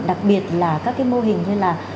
đặc biệt là các mô hình như là